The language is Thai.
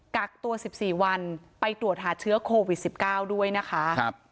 กักตัว๑๔วันไปตรวจหาเชื้อโควิด๑๙ด้วยนะคะ